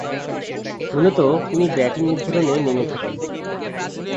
মূলতঃ তিনি ব্যাটিং উদ্বোধনে নেমে থাকেন।